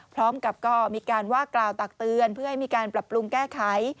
พร้อมกับก็มีการว่ากล่าวตักเตือนเพื่อให้มีการปรับปรุงแก้ไข